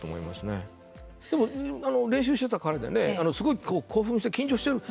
でも練習してた彼ねすごい興奮して緊張してる。